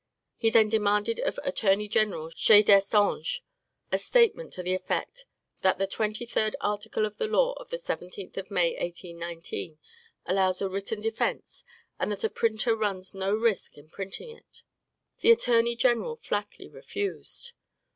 He then demanded of Attorney General Chaix d'Est Ange a statement to the effect that the twenty third article of the law of the 17th of May, 1819, allows a written defence, and that a printer runs no risk in printing it. The attorney general flatly refused.